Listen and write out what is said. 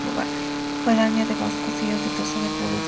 Pedanía de Basconcillos del Tozo en la provincia de Burgos.